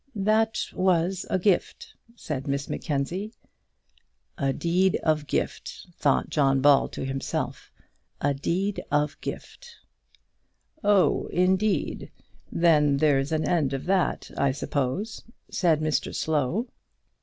"That was a gift," said Miss Mackenzie. "A deed of gift," thought John Ball to himself. "A deed of gift!" "Oh, indeed! Then there's an end of that, I suppose," said Mr Slow.